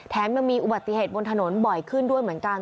มันมีอุบัติเหตุบนถนนบ่อยขึ้นด้วยเหมือนกัน